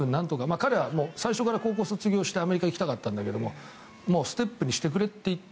彼は最初から高校卒業してからアメリカに行きたかったんだけどステップにしてくれと言って。